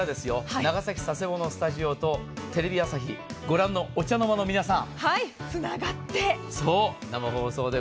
長崎・佐世保のスタジオとテレビ朝日をご覧のお茶の間の皆さん。